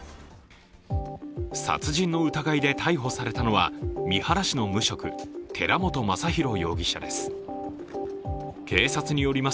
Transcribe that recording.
殺人の疑いで逮捕されたのは、三原市の無職、寺本正寛容疑者です。